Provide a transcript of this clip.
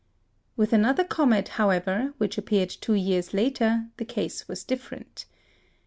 With another comet, however, which appeared two years later, the case was different.